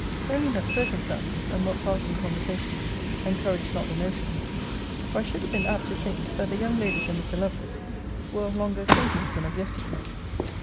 Only that circumstances, and what passed in conversation, encouraged not the notion, or I should have been apt to think, that the young ladies and Mr. Lovelace were of longer acquaintance than of yesterday.